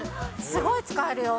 すごい使えるよ。